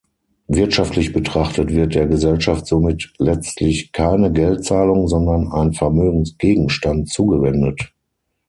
Wirtschaftlich betrachtet wird der Gesellschaft somit letztlich keine Geldzahlung, sondern ein Vermögensgegenstand zugewendet.